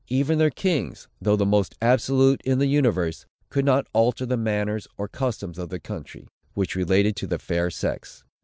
Even their kings, though the most absolute in the universe, could not alter the manners or customs of the country, which related to the fair sex.